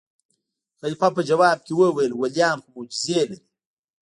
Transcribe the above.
خلیفه په ځواب کې وویل: ولیان خو معجزې لري.